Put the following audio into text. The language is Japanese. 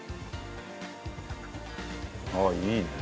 ああいいね。